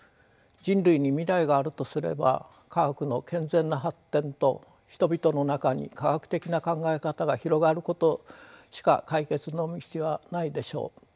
人類に未来があるとすれば科学の健全な発展と人々の中に科学的な考え方が広がることしか解決の道はないでしょう。